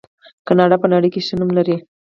کاناډا په نړۍ کې ښه نوم لري.